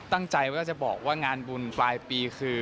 ตั้งใจว่าจะบอกว่างานบุญปลายปีคือ